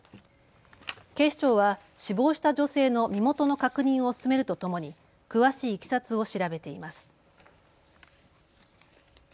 警視庁は死亡した女性の身元の確認を進めるとともに詳しいいきさつを調べています。